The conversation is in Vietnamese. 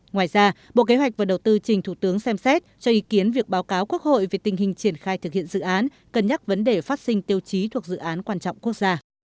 ngoài ra bộ kế hoạch và đầu tư trình thủ tướng xem xét cho ý kiến việc báo cáo quốc hội về tình hình triển khai thực hiện dự án cân nhắc vấn đề phát sinh tiêu chí thuộc dự án quan trọng quốc gia